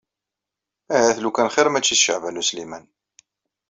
Ahat lukan xir mačči d Caɛban U Sliman.